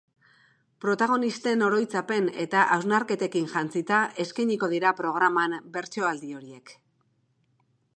Protagonisten oroitzapen eta hausnarketekin jantzita eskainiko dira programan bertsoaldi horiek.